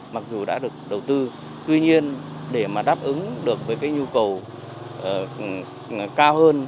mặc dù đã được đầu tư tuy nhiên để đáp ứng được với nhu cầu cao hơn